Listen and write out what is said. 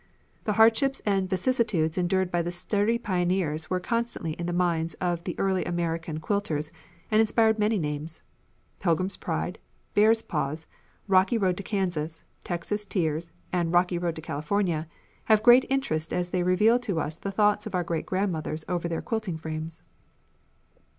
The hardships and vicissitudes endured by the sturdy pioneers were constantly in the minds of the early American quilters and inspired many names. "Pilgrim's Pride," "Bear's Paws," "Rocky Road to Kansas," "Texas Tears," and "Rocky Road to California" have great interest as they reveal to us the thoughts of our great grandmothers over their quilting frames.